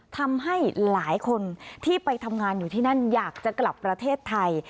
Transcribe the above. ทำให้หลายคนที่ไปทำงานอยู่ที่นั่นอยากจะกลับประเทศไทย